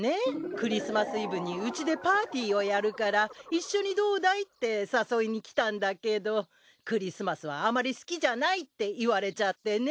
クリスマスイブにうちでパーティーをやるから一緒にどうだいって誘いに来たんだけどクリスマスはあまり好きじゃないって言われちゃってね。